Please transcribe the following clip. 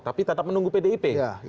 tapi tetap menunggu pdip